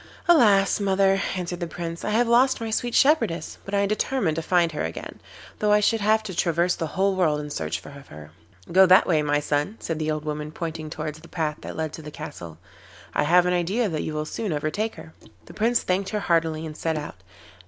'Alas! mother,' answered the Prince, 'I have lost my sweet shepherdess, but I am determined to find her again, though I should have to traverse the whole world in search of her.' 'Go that way, my son,' said the old woman, pointing towards the path that led to the castle. 'I have an idea that you will soon overtake her.' The Prince thanked her heartily and set out.